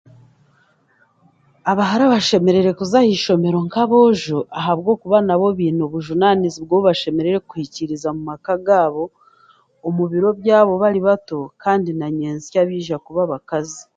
Abahara bashemereire kuza ahaishomero nk'aboojo ahabwokuba nabo baine obujunaanizibwa obu bashemereire kuhikiriza mu maka gaabo omu biro byabo bari bato, kandi na nyensya baija kuba abakazi.